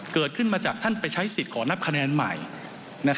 เกิดขึ้นมาจากท่านไปใช้สิทธิ์ขอนับคะแนนใหม่